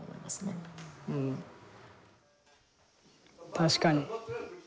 確かに。